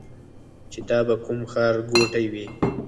چې دا به کوم ښار ګوټی وي.